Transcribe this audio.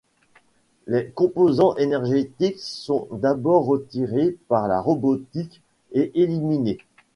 Les composants énergétiques sont d'abord retirés par la robotique et éliminés.